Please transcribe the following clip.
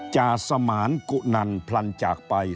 จาสมานกุนันพลันจากไป